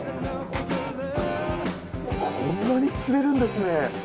こんなに釣れるんですね。